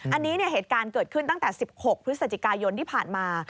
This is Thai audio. อันนี้เหตุการณ์เกิดขึ้นตั้งแต่๑๖พฤศจิกายนที่ผ่านมา